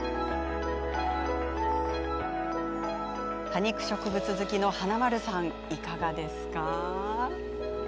多肉植物好きの華丸さんいかがですか？